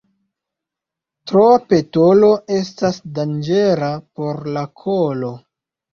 Troa petolo estas danĝera por la kolo.